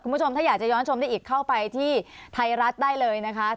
คุณผู้ชมถ้าอยากจะย้อนชมได้อีกเข้าไปที่ไทยรัฐได้เลยนะคะ